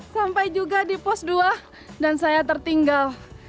sampai juga di pos dua dan saya tertinggal